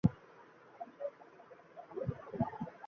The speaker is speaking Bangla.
আশা করি ও যেন ঠিক থাকে।